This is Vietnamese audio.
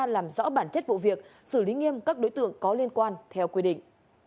làm rõ bản chất vụ việc xử lý nghiêm các đối tượng có liên quan theo quy định